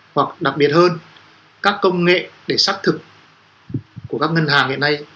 hoặc đặc biệt hơn các công nghệ để xác thực của các ngân hàng hiện nay